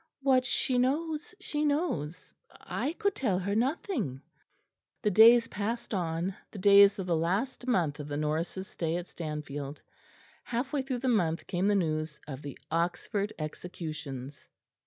What she knows, she knows. I could tell her nothing." The days passed on; the days of the last month of the Norrises' stay at Stanfield. Half way through the month came the news of the Oxford executions.